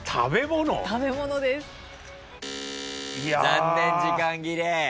残念時間切れ。